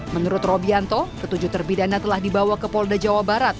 menurut robianto ketujuh terpidana telah dibawa ke polda jawa barat